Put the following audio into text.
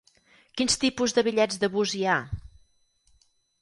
Quins tipus de bitllets de bus hi ha?